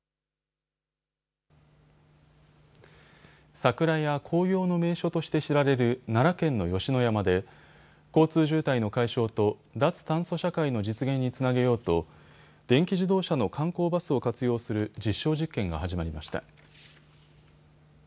桜や紅葉の名所として知られる奈良県の吉野山で交通渋滞の解消と脱炭素社会の実現につなげようと電気自動車の観光バスを活用する実証実験が始まりました。